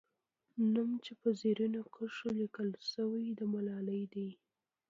نوم چې په زرینو کرښو لیکل سوی، د ملالۍ دی.